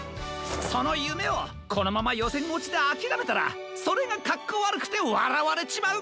そのゆめをこのままよせんおちであきらめたらそれがかっこわるくてわらわれちまう。